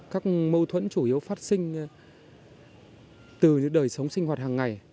các mâu thuẫn chủ yếu phát sinh từ đời sống sinh hoạt hàng ngày